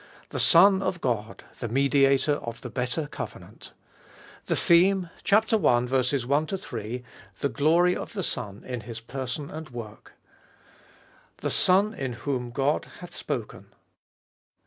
The Son of God the Mediator of the Better Covenant. THE THEME. i. 1 3. The Glory of the Son in His Person and Work. I. THE SON IN WHOM GOD HATH SPOKEN.